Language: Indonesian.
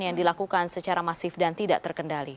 yang dilakukan secara masif dan tidak terkendali